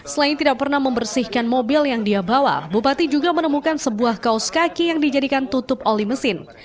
selain tidak pernah membersihkan mobil yang dia bawa bupati juga menemukan sebuah kaos kaki yang dijadikan tutup oli mesin